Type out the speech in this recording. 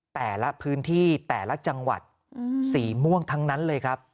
แต่ละพื้นที่แต่ละจังหวัดสีม่วงทั้งนั้นเลยครับ